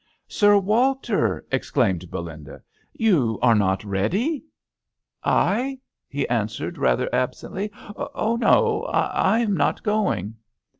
" Sir Walter !" exclaimed Be linda. " You are not ready ?"" I ?" he answered, rather ab sently. .0h, no; I am not going.'